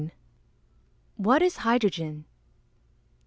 49. _What is hydrogen?